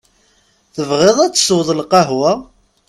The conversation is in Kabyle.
Tebɣiḍ ad tesweḍ lqahwa?